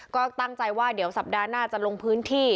ก็ตั้งใจว่าเดี๋ยวสัปดาห์หน้าจะลงพื้นที่